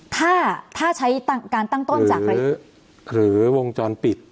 ถ้าถ้าใช้การตั้งต้นจากอะไรหรือวงจรปิด